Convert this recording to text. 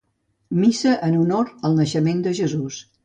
Missa en honor al naixement de Jesús.